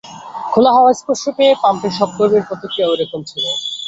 খোলা হাওয়ার স্পর্শ পেয়ে পাম্পের সব কর্মীর প্রতিক্রিয়া একইরকম ছিল।